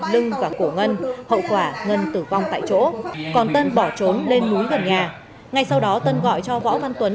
lưng và cổ ngân hậu quả ngân tử vong tại chỗ còn tân bỏ trốn lên núi gần nhà ngay sau đó tân gọi cho võ văn tuấn